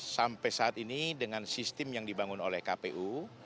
sampai saat ini dengan sistem yang dibangun oleh kpu